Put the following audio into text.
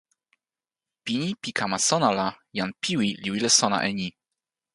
pini pi kama sona la, jan Piwi li wile sona e ni.